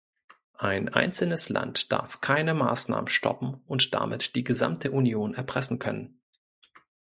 Ein einzelnes Land darf keine Maßnahmen stoppen und damit die gesamte Union erpressen können.